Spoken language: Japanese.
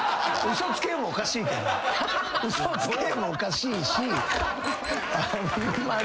「嘘つけ！」もおかしいしあんまり。